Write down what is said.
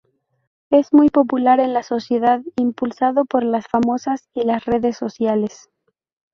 Es muy popular en la sociedad, impulsado por las famosas y las redes sociales.